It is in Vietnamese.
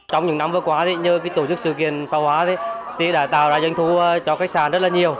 trong những năm vừa qua tổ chức sự kiện pháo hoa đã tạo ra doanh thu cho khách sạn rất nhiều